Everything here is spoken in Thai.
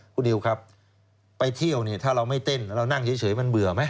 คุณนิวครับไปเที่ยวเนี่ยถ้าเราไม่เต้นเรานั่งเฉยมันเบื่อไหม